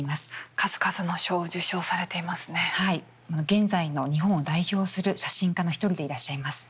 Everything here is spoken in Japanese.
現在の日本を代表する写真家の一人でいらっしゃいます。